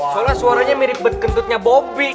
soalnya suaranya mirip bet kentutnya bobby